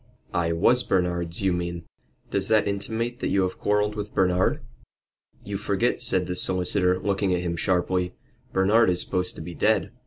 "I was Bernard's, you mean." "Does that intimate that you have quarrelled with Bernard?" "You forget," said the solicitor, looking at him sharply. "Bernard is supposed to be dead."